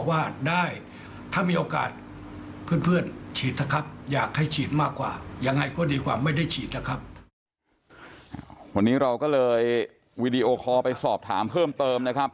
วันนี้เราก็เลยวีดีโอคอลไปสอบถามเพิ่มเติมนะครับ